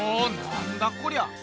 なんだこりゃ！